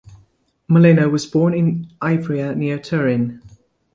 Molino was born in Ivrea near Turin.